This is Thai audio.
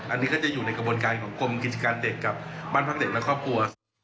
อันนี้ก็จะอยู่ในกระบวนการของกรมกิจการเด็กกับบ้านพักเด็กและครอบครัว